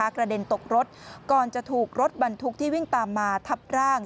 กระเด็นตกรถก่อนจะถูกรถบรรทุกที่วิ่งตามมาทับร่าง